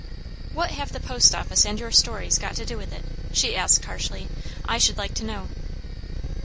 "What have the post office and your stories got to do with it?" she asked harshly. "I should like to know."